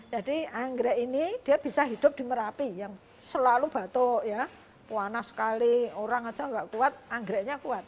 jadi anggrek ini dia bisa hidup di merapi yang selalu batuk ya panas sekali orang aja gak kuat anggreknya kuat